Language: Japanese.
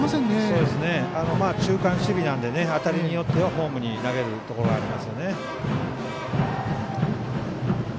中間守備なので当たりによってはホームに投げるところがありますよね。